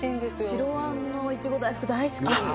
白あんのイチゴ大福大好き。